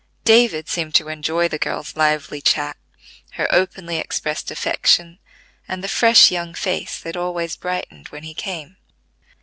David seemed to enjoy the girl's lively chat, her openly expressed affection, and the fresh young face that always brightened when he came.